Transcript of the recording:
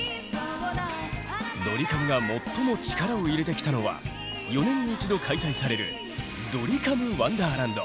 ドリカムが最も力を入れてきたのは４年に一度開催される「ドリカムワンダーランド」。